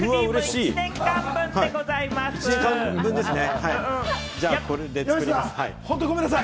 １年間分ですね。